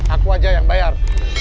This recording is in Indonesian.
aku saja yang bayar